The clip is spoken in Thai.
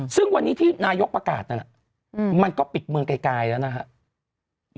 ซึ่งวันนี้ที่นายกประกาศนั่นมันก็ปิดเมืองไกลแล้วนะครับ